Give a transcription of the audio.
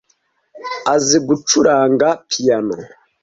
Azi gucuranga piyano.